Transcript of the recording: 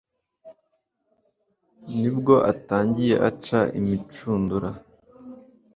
Ni bwo atangiye aca imicundura